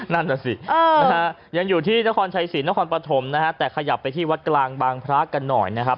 นั่นน่ะสินะฮะยังอยู่ที่นครชัยศรีนครปฐมนะฮะแต่ขยับไปที่วัดกลางบางพระกันหน่อยนะครับ